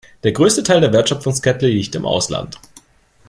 Der größte Teil der Wertschöpfungskette liegt im Ausland.